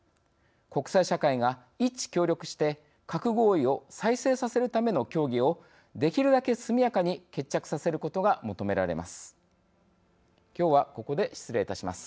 国際社会が一致協力して「核合意」を再生させるための協議をできるだけ速やかに決着させることが求められます。